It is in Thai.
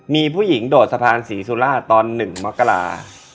มีผู้หญิงโดดสะพานศรีสุราชตอน๑มกรา